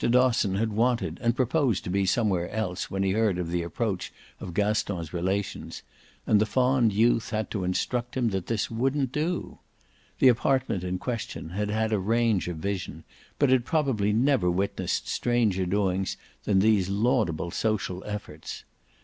Dosson had wanted and proposed to be somewhere else when he heard of the approach of Gaston's relations, and the fond youth had to instruct him that this wouldn't do. The apartment in question had had a range of vision, but had probably never witnessed stranger doings than these laudable social efforts.